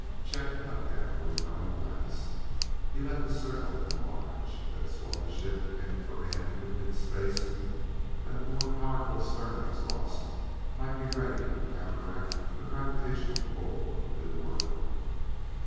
Chet cut down the repelling blast. He let the circle enlarge, then swung the ship end for end in mid space that the more powerful stern exhaust might be ready to counteract the gravitational pull of the new world.